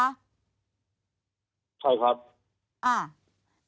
ใช่ครับ